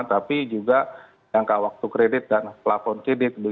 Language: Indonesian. tapi juga jangka waktu kredit dan plafon kredit